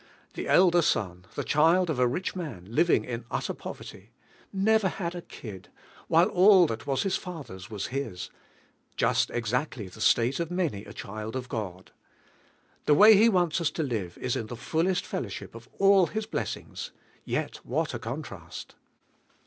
The elder son, the child 'of a rich man, living in otter poverty! — 'never had a kid," while all that was his fathers' was his— just exactly the state of many a ohild of God. The way He wants us to live is in the tallest fellow ship of all His blessings, yet what a con trast!